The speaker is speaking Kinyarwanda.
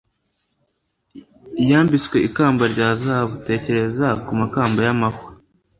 Yambitswe ikamba rya zahabu tekereza ku makamba yamahwa